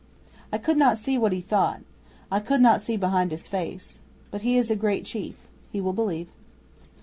I could not see what he thought. I could not see behind his face. But he is a great chief. He will believe."